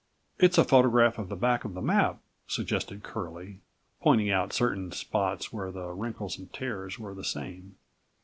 "It's a photograph of the back of the map," suggested Curlie, pointing out certain spots where the wrinkles and tears were the same.